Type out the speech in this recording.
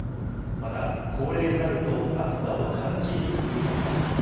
また、高齢になると暑さを感じにくくなります。